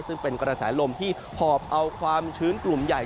ซึ่งเป็นกระแสลมที่หอบเอาความชื้นกลุ่มใหญ่